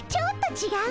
ちがう？